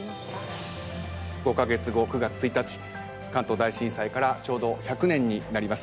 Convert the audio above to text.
５か月後９月１日関東大震災からちょうど１００年になります。